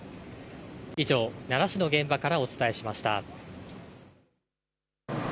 以上、奈良市の現場からお伝えしました。